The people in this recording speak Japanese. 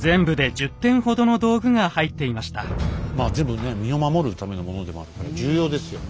全部身を守るためのものでもあるから重要ですよね。